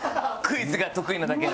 クイズが得意なだけ。